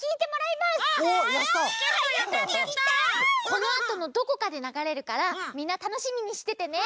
このあとのどこかでながれるからみんなたのしみにしててね！